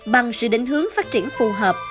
bằng sự định hướng phát triển phù hợp